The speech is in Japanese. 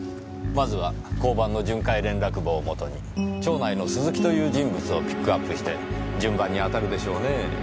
まずは交番の巡回連絡簿をもとに町内の鈴木という人物をピックアップして順番に当たるでしょうねぇ。